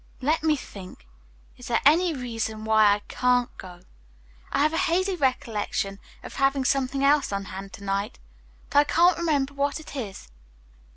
"Let me think. Is there any reason why I can't go? I have a hazy recollection of having something else on hand to night, but I can't remember what it is."